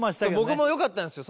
僕もよかったんすよ